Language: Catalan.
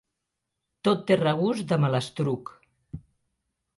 Tot té regust de malastruc.